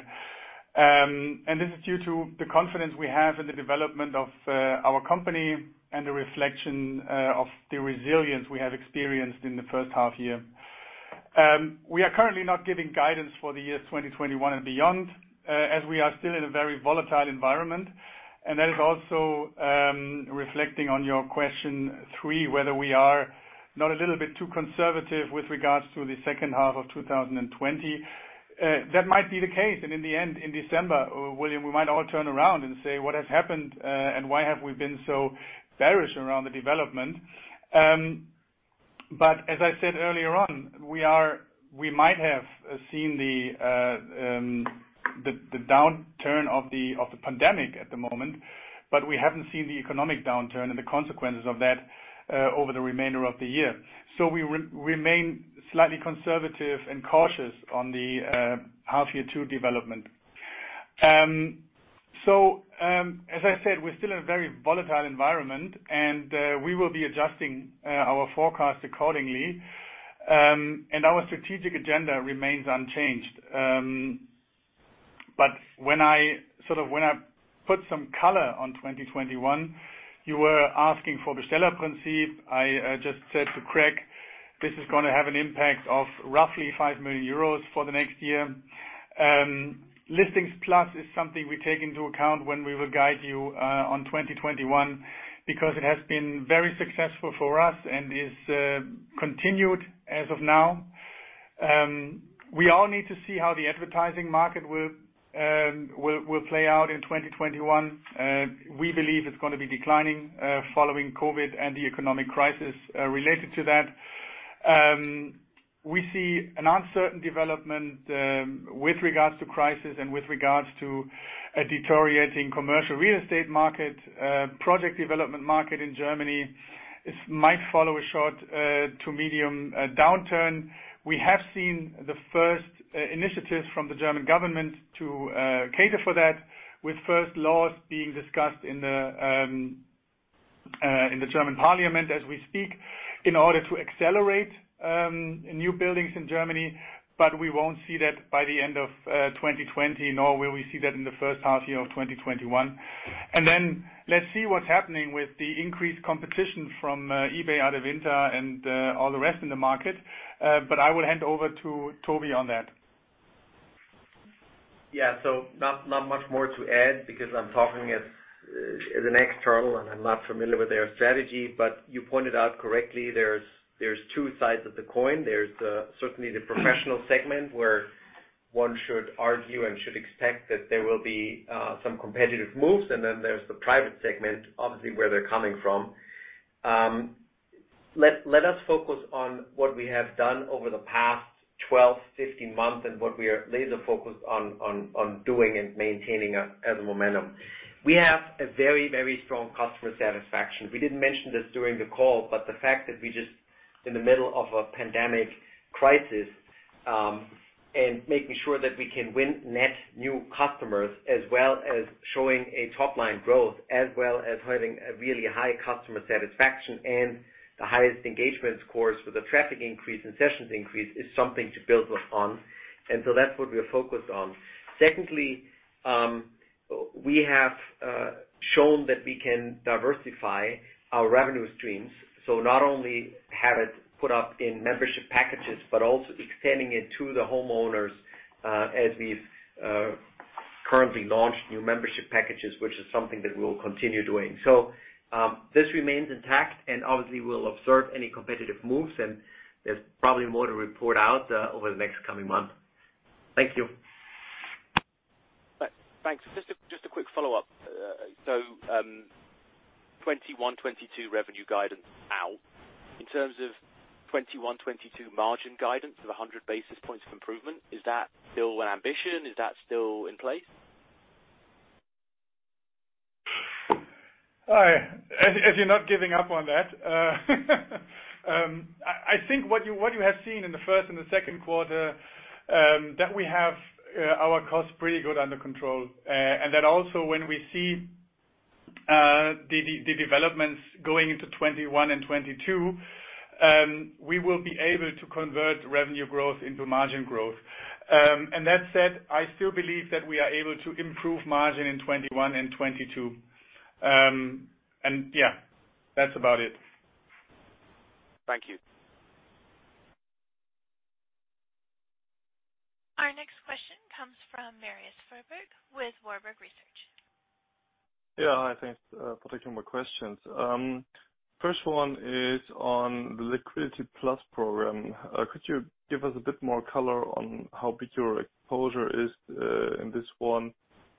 And this is due to the confidence we have in the development of our company and the reflection of the resilience we have experienced in the first half year. We are currently not giving guidance for the year 2021 and beyond as we are still in a very volatile environment. And that is also reflecting on your question three, whether we are not a little bit too conservative with regards to the second half of 2020. That might be the case. In the end, in December, William, we might all turn around and say, "What has happened, and why have we been so bearish around the development?" As I said earlier on, we might have seen the downturn of the pandemic at the moment, but we haven't seen the economic downturn and the consequences of that over the remainder of the year. We remain slightly conservative and cautious on the half-year two development. As I said, we're still in a very volatile environment, and we will be adjusting our forecast accordingly. Our strategic agenda remains unchanged. Sort of when I put some color on 2021, you were asking for Bestellerprinzip. I just said to Craig, "This is going to have an impact of roughly 5 million euros for the next year." Listings Plus is something we take into account when we will guide you on 2021 because it has been very successful for us and is continued as of now. We all need to see how the advertising market will play out in 2021. We believe it's going to be declining following COVID and the economic crisis related to that. We see an uncertain development with regards to crisis and with regards to a deteriorating commercial real estate market. Project development market in Germany might follow a short to medium downturn. We have seen the first initiatives from the German government to cater for that, with first laws being discussed in the German parliament as we speak in order to accelerate new buildings in Germany. But we won't see that by the end of 2020, nor will we see that in the first half year of 2021. And then let's see what's happening with the increased competition from eBay Adevinta and all the rest in the market. But I will hand over to Tobi on that. Yeah. So not much more to add because I'm talking as an external, and I'm not familiar with their strategy. But you pointed out correctly, there's two sides of the coin. There's certainly the professional segment where one should argue and should expect that there will be some competitive moves, and then there's the private segment, obviously, where they're coming from. Let us focus on what we have done over the past 12, 15 months and what we are laser-focused on doing and maintaining as a momentum. We have a very, very strong customer satisfaction. We didn't mention this during the call, but the fact that we're just in the middle of a pandemic crisis and making sure that we can win net new customers as well as showing a top-line growth, as well as having a really high customer satisfaction and the highest engagement scores with the traffic increase and sessions increase is something to build upon, and so that's what we are focused on. Secondly, we have shown that we can diversify our revenue streams, not only have we put up in membership packages, but also extending it to the homeowners as we've currently launched new membership packages, which is something that we will continue doing. This remains intact, and obviously, we'll observe any competitive moves, and there's probably more to report out over the next coming month. Thank you. Thanks. Just a quick follow-up, so 2021, 2022 revenue guidance out. In terms of 2021, 2022 margin guidance of 100 basis points of improvement, is that still an ambition? Is that still in place? As you're not giving up on that, I think what you have seen in the first and the second quarter, that we have our costs pretty good under control. And then also, when we see the developments going into 2021 and 2022, we will be able to convert revenue growth into margin growth. And that said, I still believe that we are able to improve margin in 2021 and 2022. And yeah, that's about it. Thank you. Our next question comes from Marius Fuhrberg with Warburg Research. Yeah. I think it's preempting my questions. First one is on the LiquidityPlus program. Could you give us a bit more color on how big your exposure is in this one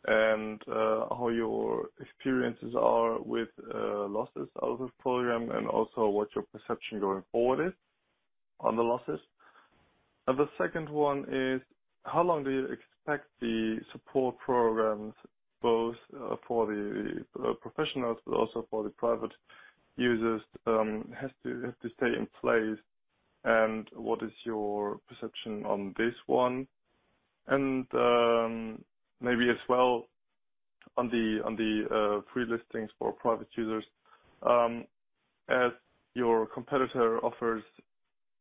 and how your experiences are with losses out of the program and also what your perception going forward is on the losses? And the second one is, how long do you expect the support programs, both for the professionals but also for the private users, to stay in place? And what is your perception on this one? And maybe as well on the free listings for private users. As your competitor offers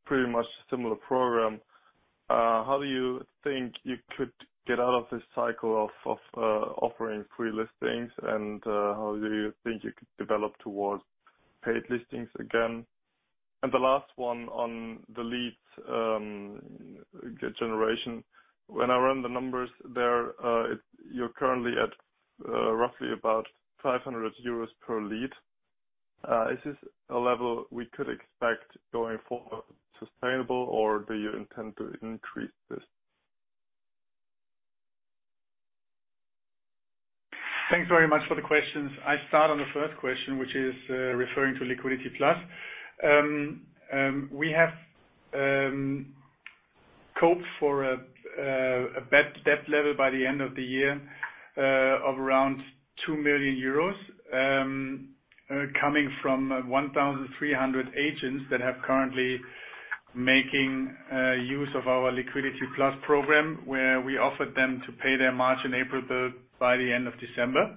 pretty much a similar program, how do you think you could get out of this cycle of offering free listings, and how do you think you could develop towards paid listings again? And the last one on the leads generation. When I run the numbers there, you're currently at roughly about 500 euros per lead. Is this a level we could expect going forward sustainable, or do you intend to increase this? Thanks very much for the questions. I start on the first question, which is referring to Liquidity Plus. We have capped for a debt level by the end of the year of around 2 million euros coming from 1,300 agents that have currently been making use of our Liquidity Plus program, where we offered them to pay their margin by the end of December.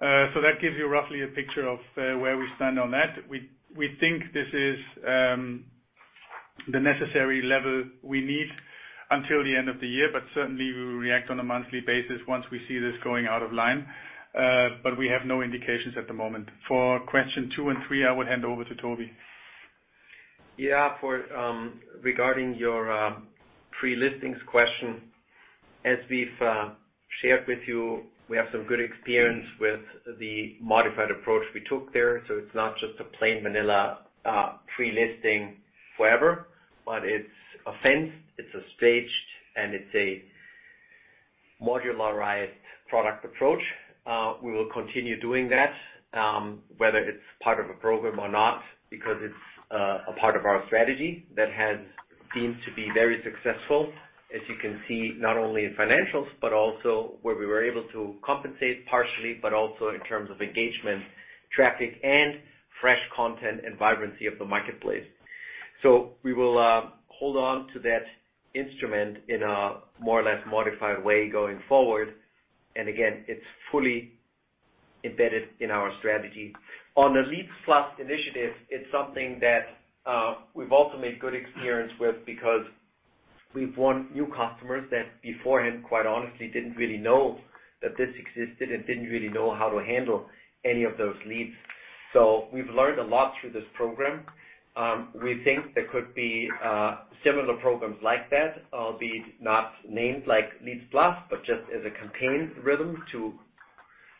So that gives you roughly a picture of where we stand on that. We think this is the necessary level we need until the end of the year, but certainly, we will react on a monthly basis once we see this going out of line. But we have no indications at the moment. For question two and three, I will hand over to Tobi. Yeah. Regarding your free listings question, as we've shared with you, we have some good experience with the modified approach we took there. So it's not just a plain vanilla free listing forever, but it's a phase, it's a stage, and it's a modularized product approach. We will continue doing that, whether it's part of a program or not, because it's a part of our strategy that has seemed to be very successful, as you can see, not only in financials but also where we were able to compensate partially, but also in terms of engagement, traffic, and fresh content and vibrancy of the marketplace. So we will hold on to that instrument in a more or less modified way going forward. And again, it's fully embedded in our strategy. On the LeadsPlus initiative, it's something that we've also made good experience with because we've won new customers that beforehand, quite honestly, didn't really know that this existed and didn't really know how to handle any of those leads. So we've learned a lot through this program. We think there could be similar programs like that, albeit not named like LeadsPlus, but just as a campaign rhythm to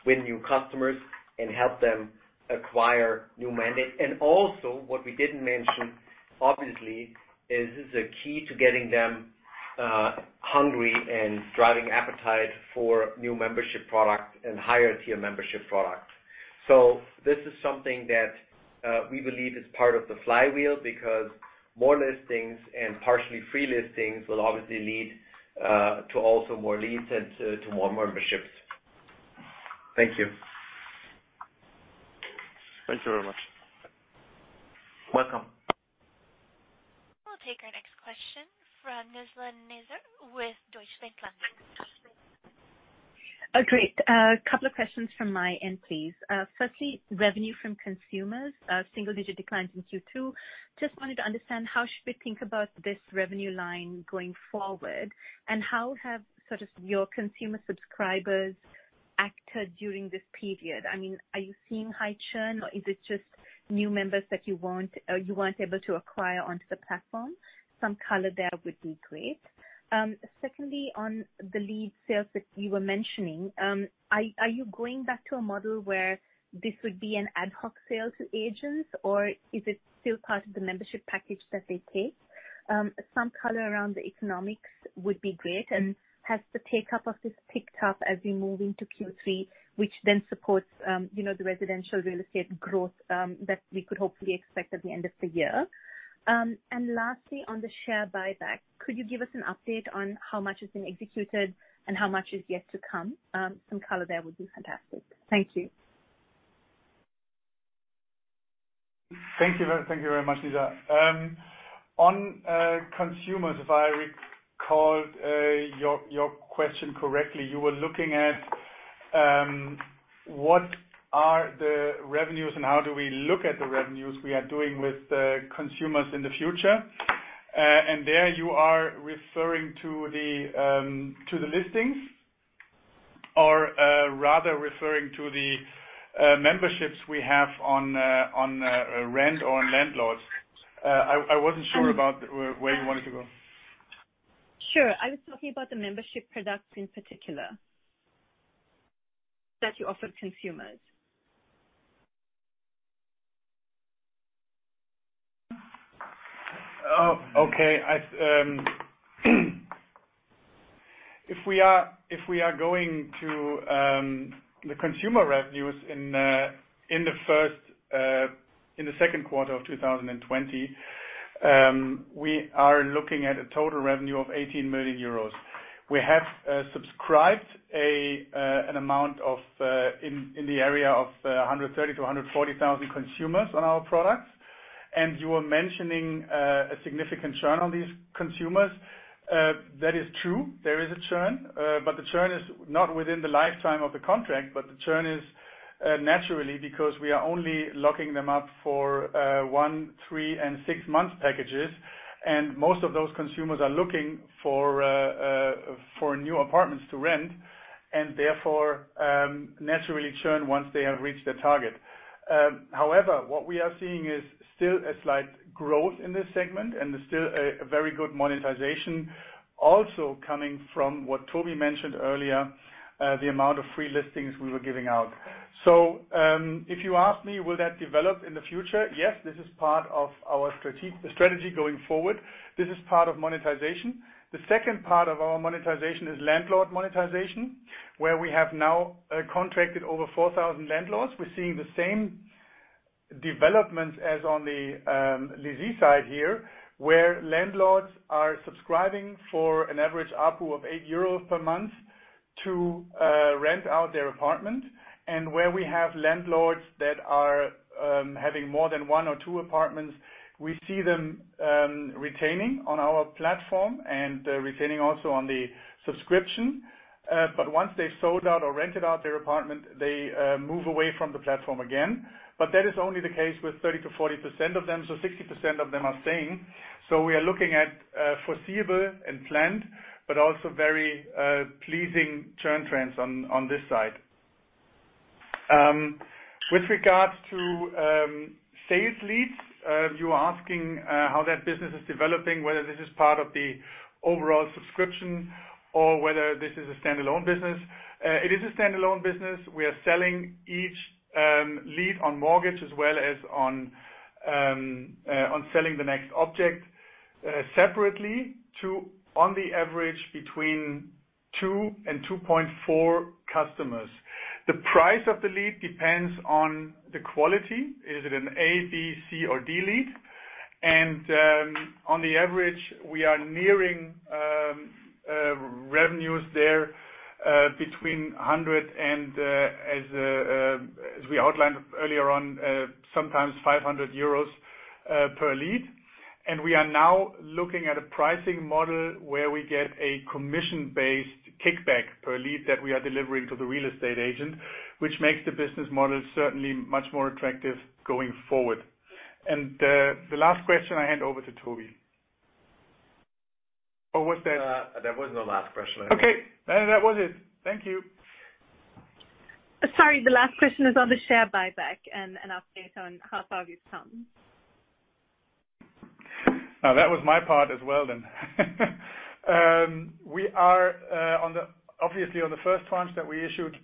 win new customers and help them acquire new mandates. And also, what we didn't mention, obviously, is this is a key to getting them hungry and driving appetite for new membership products and higher-tier membership products. So this is something that we believe is part of the flywheel because more listings and partially free listings will obviously lead to also more leads and to more memberships. Thank you. Thank you very much. Welcome. We'll take our next question from Nizla Naizer with Deutsche Bank. Great. A couple of questions from my end, please. Firstly, revenue from consumers, single-digit declines in Q2. Just wanted to understand how should we think about this revenue line going forward, and how have sort of your consumer subscribers acted during this period? I mean, are you seeing high churn, or is it just new members that you weren't able to acquire onto the platform? Some color there would be great. Secondly, on the lead sales that you were mentioning, are you going back to a model where this would be an ad hoc sale to agents, or is it still part of the membership package that they take? Some color around the economics would be great. And has the take-up of this picked up as we move into Q3, which then supports the residential real estate growth that we could hopefully expect at the end of the year? And lastly, on the share buyback, could you give us an update on how much has been executed and how much is yet to come? Some color there would be fantastic. Thank you. Thank you very much, Nizla. On consumers, if I recalled your question correctly, you were looking at what are the revenues and how do we look at the revenues we are doing with consumers in the future? And there you are referring to the listings or rather referring to the memberships we have on rent or on landlords? I wasn't sure about where you wanted to go. Sure. I was talking about the membership products in particular that you offered consumers. Okay. If we are going to the consumer revenues in the second quarter of 2020, we are looking at a total revenue of 18 million euros. We have subscribed an amount in the area of 130,000-140,000 consumers on our products. And you were mentioning a significant churn on these consumers. That is true. There is a churn, but the churn is not within the lifetime of the contract, but the churn is naturally because we are only locking them up for one, three, and six-month packages. And most of those consumers are looking for new apartments to rent and therefore naturally churn once they have reached their target. However, what we are seeing is still a slight growth in this segment and still a very good monetization also coming from what Tobi mentioned earlier, the amount of free listings we were giving out. So if you ask me, will that develop in the future? Yes, this is part of our strategy going forward. This is part of monetization. The second part of our monetization is landlord monetization, where we have now contracted over 4,000 landlords. We're seeing the same developments as on the lessee side here, where landlords are subscribing for an average ARPU of 8 euros per month to rent out their apartment. And where we have landlords that are having more than one or two apartments, we see them retaining on our platform and retaining also on the subscription. But once they've sold out or rented out their apartment, they move away from the platform again. But that is only the case with 30%-40% of them. So 60% of them are staying. So we are looking at foreseeable and planned, but also very pleasing churn trends on this side. With regards to sales leads, you were asking how that business is developing, whether this is part of the overall subscription or whether this is a standalone business. It is a standalone business. We are selling each lead on mortgage as well as on selling the next object separately to, on the average, between two and 2.4 customers. The price of the lead depends on the quality. Is it an A, B, C, or D lead? And on the average, we are nearing revenues there between 100 and, as we outlined earlier on, sometimes 500 euros per lead. We are now looking at a pricing model where we get a commission-based kickback per lead that we are delivering to the real estate agent, which makes the business model certainly much more attractive going forward. The last question, I hand over to Tobi Or was that? That was the last question. Okay. That was it. Thank you. Sorry, the last question is on the share buyback and update on how far we've come. That was my part as well then. We are obviously on the first tranche that we issued.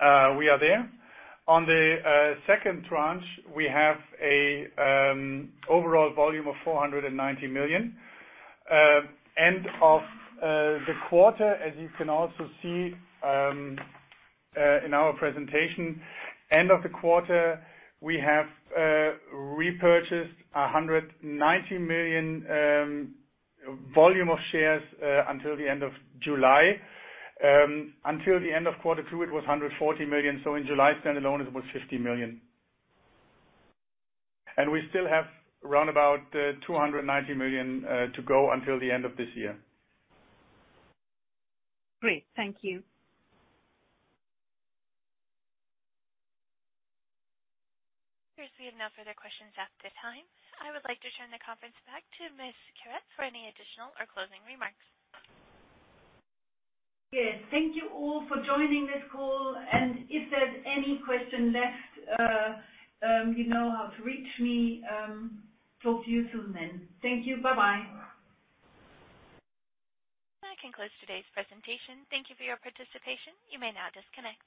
We are there. On the second tranche, we have an overall volume of 490 million. End of the quarter, as you can also see in our presentation, end of the quarter, we have repurchased 190 million volume of shares until the end of July. Until the end of quarter two, it was 140 million. So in July, standalone, it was 50 million. And we still have round about 290 million to go until the end of this year. Great. Thank you. There's no further questions at the time. I would like to turn the conference back to Ms. Querette for any additional or closing remarks. Yes. Thank you all for joining this call. And if there's any question left, you know how to reach me. Talk to you soon then. Thank you. Bye-bye. I can close today's presentation. Thank you for your participation. You may now disconnect.